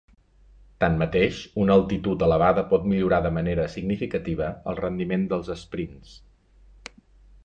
Tanmateix, una altitud elevada pot millorar de manera significativa el rendiment dels esprints.